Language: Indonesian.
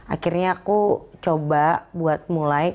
akhirnya aku coba buat mulai